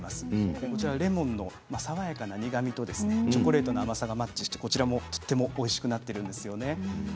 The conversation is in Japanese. レモンの爽やかな苦みとチョコレートの甘さがマッチしてこちらもとてもおいしくなっています。